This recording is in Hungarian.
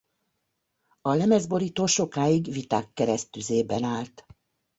A lemezborító sokáig viták kereszttüzében állt.